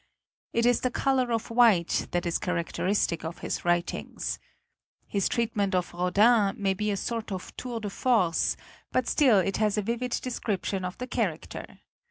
It is the color of white that is charac teristic of his writings. His treatment of Rodin may be a sort of tour de force > but still it has a vivid description of the character.